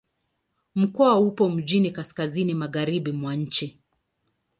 Mkoa upo mjini kaskazini-magharibi mwa nchi.